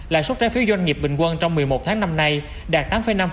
lại suất trái phiếu doanh nghiệp bình quân trong một mươi một tháng năm nay đạt tám năm